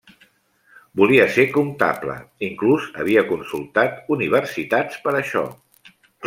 Volia ser comptable, inclús havia consultat universitats per això.